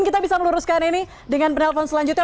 kita bisa meluruskan ini dengan penelpon selanjutnya